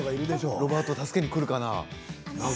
ロバート助けに来るかな？